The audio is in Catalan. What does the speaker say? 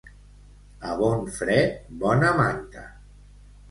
A bon fred, bona manta.